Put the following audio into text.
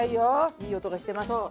いい音がしてます。